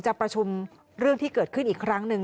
ประชุมเรื่องที่เกิดขึ้นอีกครั้งหนึ่ง